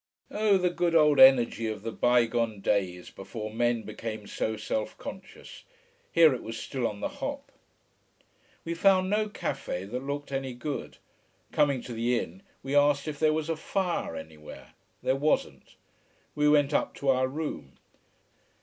Oh the good old energy of the bygone days, before men became so self conscious. Here it was still on the hop. We found no café that looked any good. Coming to the inn, we asked if there was a fire anywhere. There wasn't. We went up to our room.